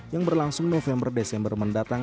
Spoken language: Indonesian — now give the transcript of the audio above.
yang berlangsung november desember mendatang